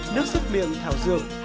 nước sốt miệng thảo dược